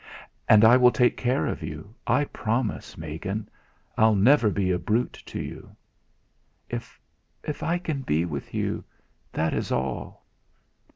"And I will take care of you, I promise, Megan. I'll never be a brute to you!" "If I can be with you that is all."